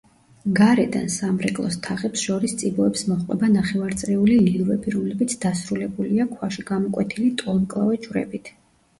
გარედან სამრეკლოს თაღებს შორის წიბოებს მოჰყვება ნახევაწრიული ლილვები, რომლებიც დასრულებულია ქვაში გამოკვეთილი ტოლმკლავა ჯვრებით.